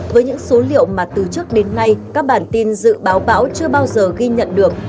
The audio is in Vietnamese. với những số liệu mà từ trước đến nay các bản tin dự báo bão chưa bao giờ ghi nhận được